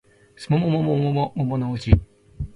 すもももももものもものうち